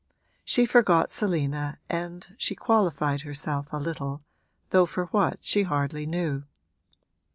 She forgot Selina and she 'qualified' herself a little though for what she hardly knew.